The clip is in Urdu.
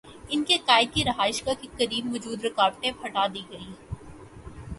ان کے قائد کی رہائش گاہ کے قریب موجود رکاوٹیں ہٹا دی گئیں۔